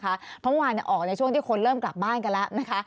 เพราะเมื่อวานเนี่ยออกในช่วงที่คนเริ่มกลับบ้านกันละนะคะ